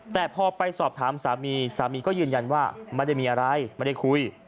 แต่พอไปสอบถามสามีสามีก็ยืนยันว่าไม่ได้มีอะไรไม่ได้คุย